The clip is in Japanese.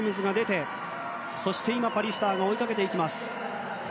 そしてパリスターが追いかけていきます。